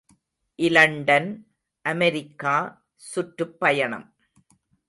● London, America சுற்றுப்பயணம்.